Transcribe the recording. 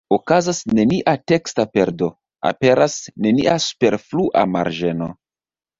Okazas nenia teksta perdo, aperas nenia superflua marĝeno.